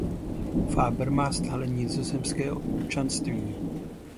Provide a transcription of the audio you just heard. Faber má stále nizozemské občanství.